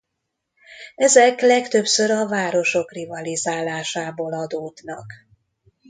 Ezek legtöbbször a városok rivalizálásából adódnak.